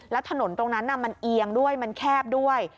แล้วถนนตรงนั้นมันเอียงด้วยมันแคบด้วย